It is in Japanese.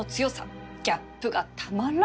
ギャップがたまらん！